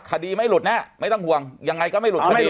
คดีไม่หลุดแน่ไม่ต้องห่วงยังไงก็ไม่หลุดคดี